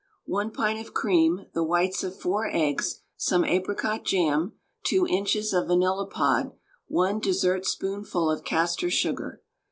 1 pint of cream, the whites of 4 eggs, some apricot jam, 2 inches of vanilla pod, 1 dessertspoonful of castor sugar.